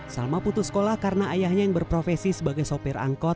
salma putus sekolah karena ayahnya yang berprofesi sebagai sopir angkot